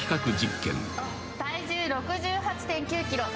「体重６８．９ｋｇ」